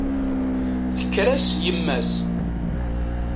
Tekker-as yemma-s.